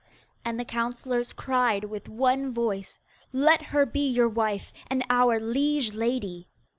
And the councillors cried with one voice, 'Let her be your wife, and our liege lady.